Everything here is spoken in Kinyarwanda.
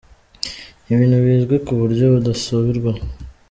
Ni ibintu bizwi ku buryo budasubirwaho.